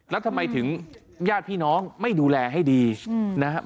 แล้วทำไมถึงญาติพี่น้องไม่ดูแลให้ดีนะครับ